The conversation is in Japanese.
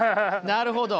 なるほど。